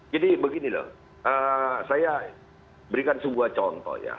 jadi begini loh saya berikan sebuah contoh ya